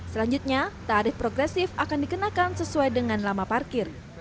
selanjutnya tarif progresif akan dikenakan sesuai dengan lama parkir